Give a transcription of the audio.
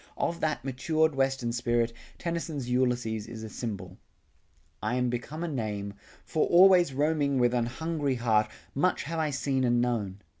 Of that matured Western spirit, Tennyson's Ulysses is a symbol. "... I am become a name For always roaming with an hungry heart, Much have I seen and known